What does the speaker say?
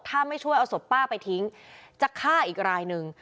ถ้าไม่ช่วยเอาศพป้าไปทิ้งจะฆ่าอีกรายหนึ่ง